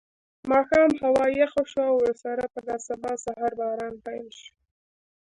ماښام هوا یخه شوه او ورسره په دا سبا سهار باران پیل شو.